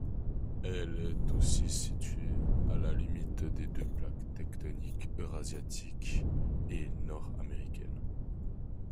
Elle est aussi située à la limite des deux plaques tectoniques eurasiatique et nord-américaine.